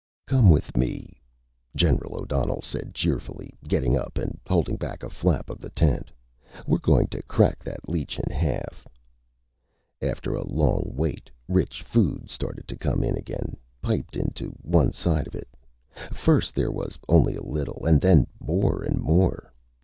"Come with me," General O'Donnell said cheerfully, getting up and holding back a flap of the tent. "We're going to crack that leech in half." After a long wait, rich food started to come again, piped into one side of it. First there was only a little, and then more and more.